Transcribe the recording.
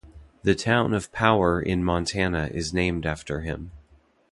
The town of Power in Montana is named after him.